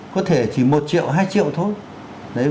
có thể chỉ một triệu hai triệu thôi